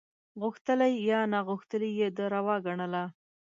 غوښتلي یا ناغوښتلي یې دا روا ګڼله.